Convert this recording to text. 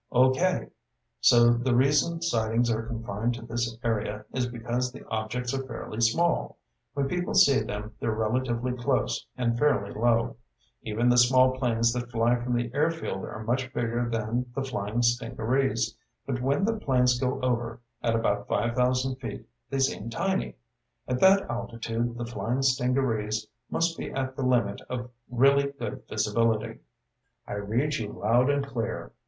"Okay. So the reason sightings are confined to this area is because the objects are fairly small. When people see them, they're relatively close, and fairly low. Even the small planes that fly from the airfield are much bigger than the flying stingarees, but when the planes go over at about five thousand feet, they seem tiny. At that altitude the flying stingarees must be at the limit of really good visibility." "I read you loud and clear.